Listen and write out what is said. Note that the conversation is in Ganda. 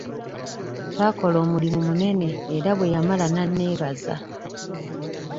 Twakola omulimu munene era bwe yamala n'anneebaza.